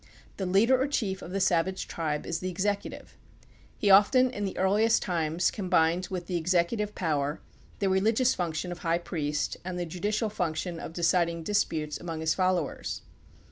The leader or chief of the savage tribe is the executive. He often, in the earliest times, com bined with the executive power the religious function of high priest and the judicial function of deciding disputes among his followers.